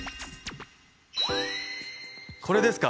これですか？